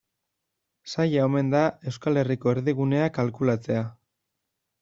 Zaila omen da Euskal Herriko erdigunea kalkulatzea.